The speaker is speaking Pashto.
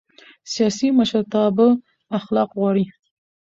سیاسي مشرتابه اخلاق غواړي